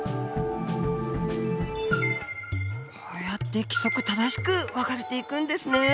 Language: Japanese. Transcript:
こうやって規則正しく分かれていくんですね。